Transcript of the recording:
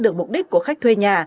được mục đích của khách thuê nhà